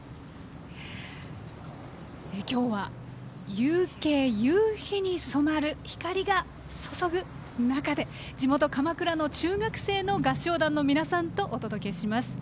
今日は夕景、夕日に染まる光が注ぐ中で地元・鎌倉の中学生の合唱団の皆さんとお届けします。